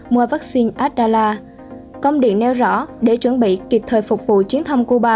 mua vaccine abdala công điện nêu rõ để chuẩn bị kịp thời phục vụ chiến thăm cuba